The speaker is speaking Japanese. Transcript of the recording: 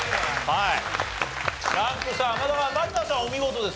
はい。